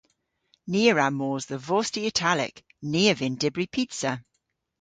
Ni a wra mos dhe vosti italek. Ni a vynn dybri pizza.